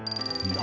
何？